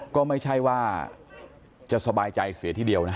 ก็ไม่ใช่ว่าจะสบายใจเสียทีเดียวนะ